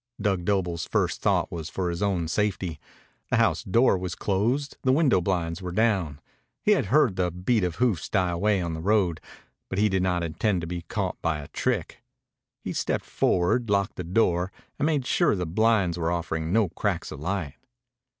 Dug Doble's first thought was for his own safety. The house door was closed, the window blinds were down. He had heard the beat of hoofs die away on the road. But he did not intend to be caught by a trick. He stepped forward, locked the door, and made sure the blinds were offering no cracks of light.